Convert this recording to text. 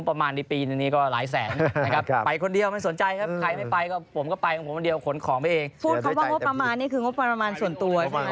พูดเขาว่าว่าประมาณนี้คือว่าประมาณส่วนตัวใช่มั้ย